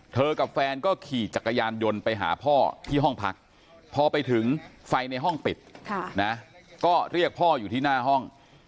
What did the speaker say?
กับแฟนก็ขี่จักรยานยนต์ไปหาพ่อที่ห้องพักพอไปถึงไฟในห้องปิดก็เรียกพ่ออยู่ที่หน้าห้อง